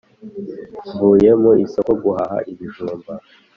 mvuye mu isoko guhaha ibijumba